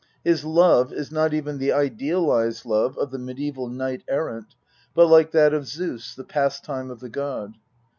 His love is not even the idealised love of the mediaeval knight errant, but like that of Zeus, the pastime of the god.